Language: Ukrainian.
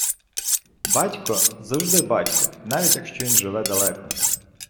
Батько – завжди батько, навіть якщо він живе далеко.